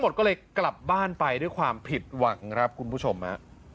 หมดเลยกลับบ้านไปด้วยความผิดหวังครับคุณผู้ชมฮะ